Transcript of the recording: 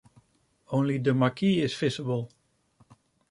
Only the marquee is visible.